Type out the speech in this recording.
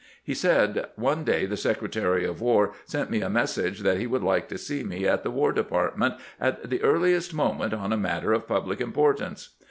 He said :" One day the Secretary of War sent me a message that he would like to see me at the War Department, at the earliest moment, on a matter of public importance.